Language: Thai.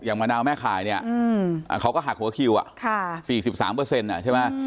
มะนาวแม่ข่ายเนี่ยเขาก็หักหัวคิว๔๓ใช่ไหม